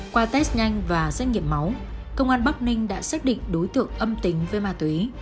qua test nhanh và xét nghiệm máu công an bắc ninh đã xác định đối tượng âm tính với ma túy